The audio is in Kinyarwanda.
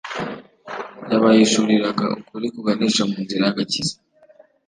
yabahishuriraga ukuri kuganisha mu nzira y'agakiza.